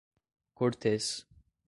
Cortês